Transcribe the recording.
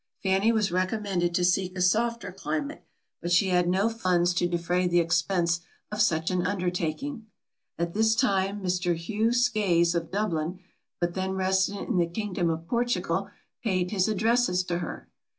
Fanny was recommended to seek a softer climate, but she had no funds to defray the expence of such an undertaking. At this time Mr. Hugh Skeys of Dublin, but then resident in the kingdom of Portugal, paid his addresses to her.